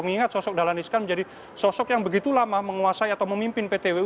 mengingat sosok dahlan iskan menjadi sosok yang begitu lama menguasai atau memimpin ptwu